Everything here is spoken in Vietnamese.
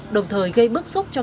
đồng thời gây bức xúc cho khách điện